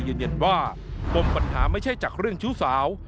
ยืนยันว่าปมปัญหาไม่ใช่จากเรื่องชู้สาว